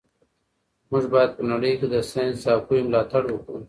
موږ باید په نړۍ کي د ساینس او پوهي ملاتړ وکړو.